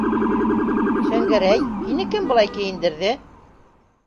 Шәңгәрәй, кем һине былай кейендерҙе?